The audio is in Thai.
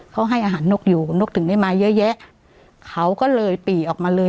เขาให้อาหารนกอยู่นกถึงได้มาเยอะแยะเขาก็เลยปี่ออกมาเลย